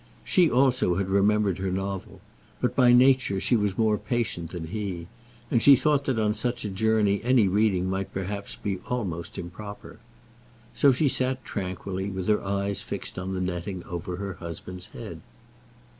She also had remembered her novel; but by nature she was more patient than he, and she thought that on such a journey any reading might perhaps be almost improper. So she sat tranquilly, with her eyes fixed on the netting over her husband's head.